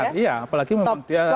top dua belas begitu